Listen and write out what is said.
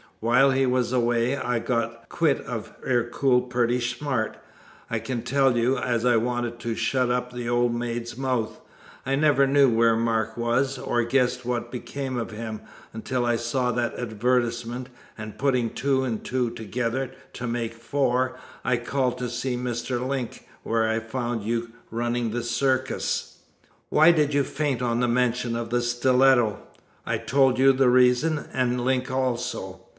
While he was away I got quit of Ercole pretty smart, I can tell you, as I wanted to shut up that old maid's mouth. I never knew where Mark was, or guessed what became of him, until I saw that advertisement, and putting two and two together to make four, I called to see Mr. Link, where I found you running the circus." "Why did you faint on the mention of the stiletto?" "I told you the reason, and Link also."